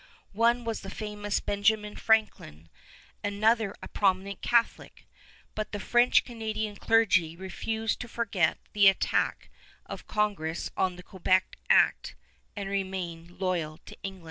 One was the famous Benjamin Franklin, another a prominent Catholic; but the French Canadian clergy refused to forget the attack of Congress on the Quebec Act, and remained loyal to England.